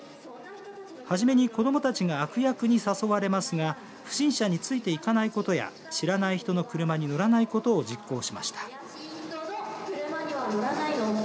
初めに子どもたちが悪役に誘われますが不審者について行かないことや知らない人の車に乗らないことを実行しました。